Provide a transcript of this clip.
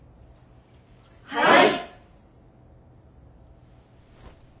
はい。